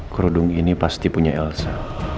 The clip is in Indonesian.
kerudung ini pasti punya elsa